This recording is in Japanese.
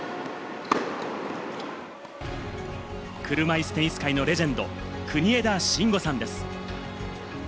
車いすテニス界のレジェンド・国枝慎吾さんです。